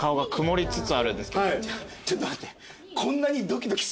ちょっと待って。